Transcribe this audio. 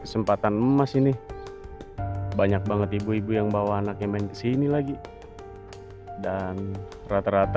sempatan emas ini banyak banget ibu ibu yang bawa anaknya main kesini lagi dan rata rata